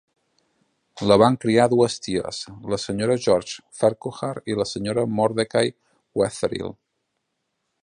La van criar dues ties, la Sra. George Farquhar i la Sra. Mordecai Wetherill.